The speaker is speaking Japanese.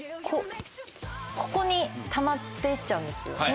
ここにたまって行っちゃうんですよ